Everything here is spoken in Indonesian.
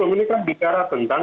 ini kan bicara tentang